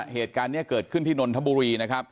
เหตุการณ์นี้เกิดขึ้นที่นนทบุรีนะครับ